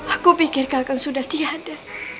aku pikir kalian sudah tiada